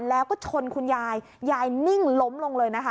แล้วก็ชนคุณยายยายนิ่งล้มลงเลยนะคะ